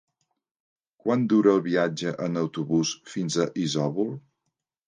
Quant dura el viatge en autobús fins a Isòvol?